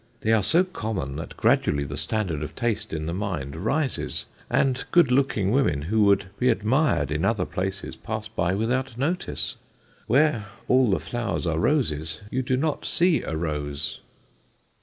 "They are so common that gradually the standard of taste in the mind rises, and good looking women who would be admired in other places pass by without notice. Where all the flowers are roses you do not see a rose."